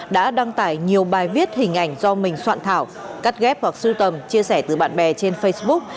đã đăng tải nhiều bài viết hình ảnh do mình soạn thảo cắt ghép hoặc sưu tầm chia sẻ từ bạn bè trên facebook